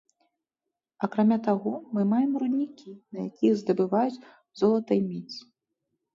Акрамя таго, мы маем руднікі, на якіх здабываюць золата й медзь.